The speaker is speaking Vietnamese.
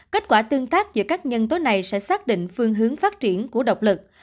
kết quả tương tác giữa các nhân tố này sẽ xác định phương hướng phát triển của độc lực